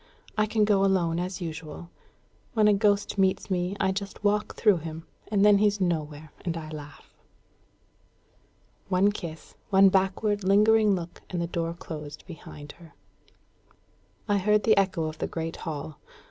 I can go alone as usual. When a ghost meets me, I just walk through him, and then he's nowhere; and I laugh." One kiss, one backward lingering look, and the door closed behind her. I heard the echo of the great hall.